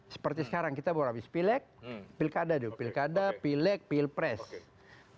seperti sekarang kita baru habis pilek pilkada pilek pilpres